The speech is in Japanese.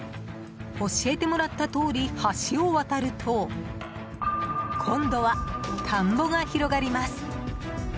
教えてもらったとおり橋を渡ると今度は田んぼが広がります。